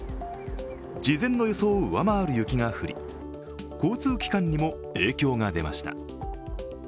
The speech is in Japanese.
事前の予想を上回る雪が降り交通機関にも影響が出ました。